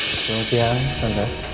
selamat siang anda